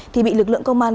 thì bị lực lượng công an